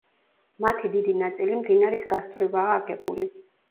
მათი დიდი ნაწილი მდინარის გასწვრივაა აგებული.